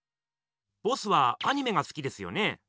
ボスはアニメがすきですよね？